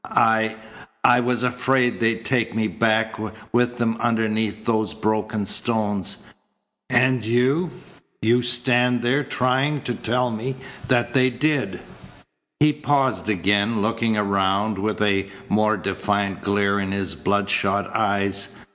I I was afraid they'd take me back with them underneath those broken stones. And you you stand there trying to tell me that they did." He paused again, looking around with a more defiant glare in his bloodshot eyes.